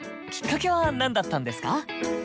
キッカケは何だったんですか？